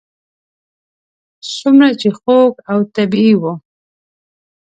څومره چې خوږ او طبیعي و.